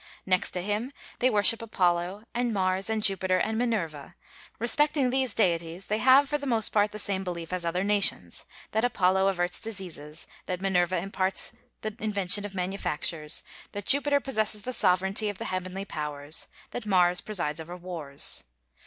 Next to him they worship Apollo, and Mars, and Jupiter, and Minerva; respecting these deities they have for the most part the same belief as other nations: that Apollo averts diseases, that Minerva imparts the invention of manufactures, that Jupiter possesses the sovereignty of the heavenly powers; that Mars presides over wars.